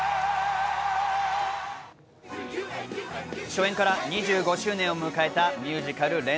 初演から２５周年を迎えたミュージカル『ＲＥＮＴ』。